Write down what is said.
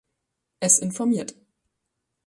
Es informiert